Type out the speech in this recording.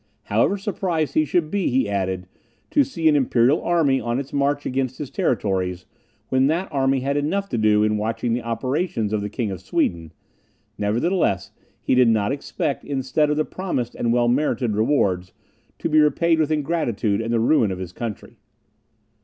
However surprised he should be, he added, "to see an imperial army on its march against his territories, when that army had enough to do in watching the operations of the King of Sweden, nevertheless he did not expect, instead of the promised and well merited rewards, to be repaid with ingratitude and the ruin of his country."